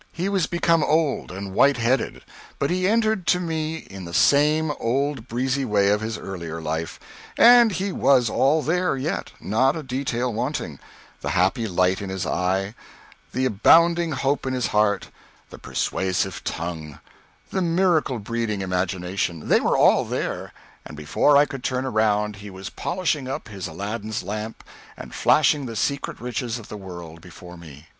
He was become old and white headed, but he entered to me in the same old breezy way of his earlier life, and he was all there, yet not a detail wanting: the happy light in his eye, the abounding hope in his heart, the persuasive tongue, the miracle breeding imagination they were all there; and before I could turn around he was polishing up his Aladdin's lamp and flashing the secret riches of the world before me.